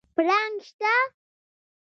پړانګ شته؟